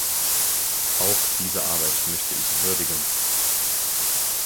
Auch diese Arbeit möchte ich würdigen.